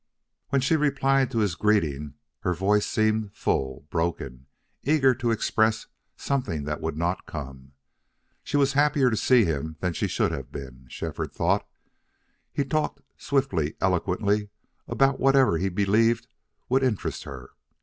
When she replied to his greeting her voice seemed full, broken, eager to express something that would not come. She was happier to see him than she should have been, Shefford thought. He talked, swiftly, eloquently, about whatever he believed would interest her.